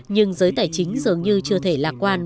nhưng giới tài chính dường như chưa thể lạc quan